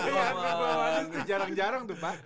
ini jarang jarang tuh pak